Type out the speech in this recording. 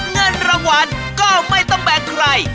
เงินรางวัลก็ไม่ต้องแบ่งใคร